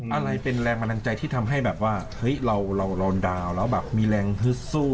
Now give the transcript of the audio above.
อะไรเป็นแรงบันดาลใจที่ทำให้แบบว่าเฮ้ยเรารอนดาวน์แล้วแบบมีแรงฮึดสู้